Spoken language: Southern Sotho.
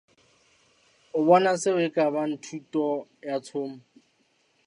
O bona seo e ka bang thuto ya tshomo.